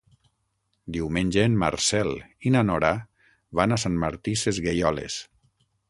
Diumenge en Marcel i na Nora van a Sant Martí Sesgueioles.